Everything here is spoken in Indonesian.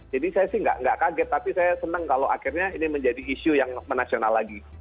jadi saya sih nggak kaget tapi saya senang kalau akhirnya ini menjadi isu yang menasional lagi